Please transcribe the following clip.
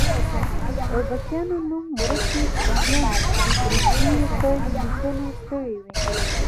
اربکیان نوم ورکي سپاهیان وو چې فرښتې یې په لیکلو ستړې وي.